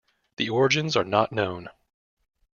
The origins are not known.